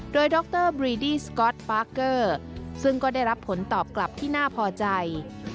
โดยดรบรีดี้สก๊อตปาร์เกอร์ซึ่งก็ได้รับผลตอบกลับที่น่าพอใจ